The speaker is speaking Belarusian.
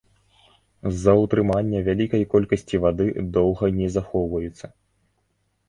З-за ўтрымання вялікай колькасці вады доўга не захоўваюцца.